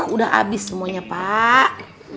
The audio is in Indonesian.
udah abis semuanya pak